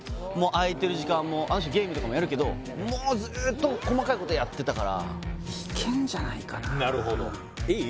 空いてる時間もあの人ゲームとかもやるけどもうずっと細かいことやってたからなるほどいい？